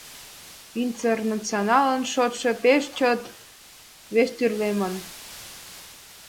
«Интернационалын» шотшо пеш чот вестӱрлемын.